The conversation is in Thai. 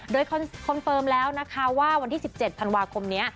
โดยคอนเฟิร์มแล้วนะคะว่าวันที่๑๗ธันวาคมนี้